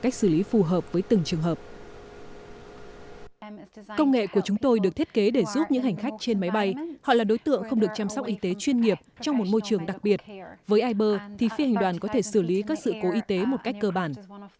công nghệ của chúng tôi được thiết kế để giúp những hành khách trên máy bay họ là đối tượng không được chăm sóc y tế chuyên nghiệp trong một môi trường đặc biệt với iber thì phi hành đoàn có thể xử lý các sự cố y tế một cách cơ bản